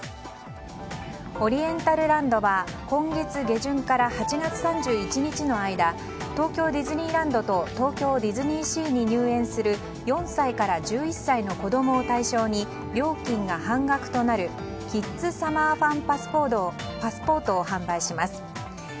オリエンタルランドは今月下旬から８月３１日の間東京ディズニーランドと東京ディズニーシーに入園する４歳から１１歳の子供を対象に料金が半額となるキッズサマーファン！